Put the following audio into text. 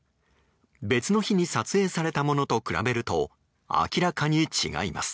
別の日に撮影されたものと比べると、明らかに違います。